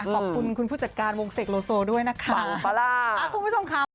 ขอบคุณคุณผู้จัดการวงเสกโลโซด้วยนะคะคุณผู้ชมครับ